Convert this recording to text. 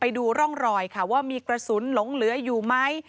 ไปดูร่องรอยค่ะว่ามีกระสุนหลงเหลืออยู่ไหม